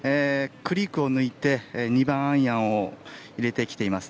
クリークを抜いて２番アイアンを入れてきています。